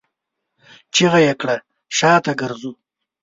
چيغه يې کړه! شاته ګرځو!